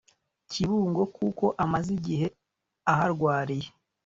Kibungo kuko amaze igihe aharwariye